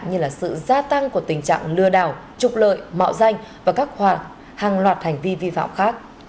như là sự gia tăng của tình trạng lừa đảo trục lợi mạo danh và các hàng loạt hành vi vi phạm khác